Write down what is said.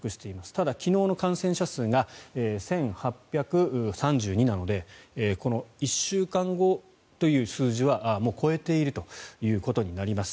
ただ、昨日の感染者数が１８３２人なので１週間後という数字はもう超えているということになります。